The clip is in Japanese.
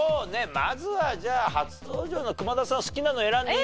まずはじゃあ初登場の久間田さん好きなの選んでいいよ。